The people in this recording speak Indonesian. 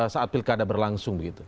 saat pilkada berlangsung begitu